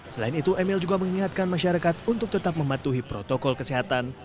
selain itu emil juga mengingatkan masyarakat untuk tetap mematuhi protokol kesehatan